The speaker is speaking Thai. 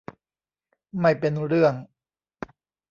ไม่เป็นเรื่อง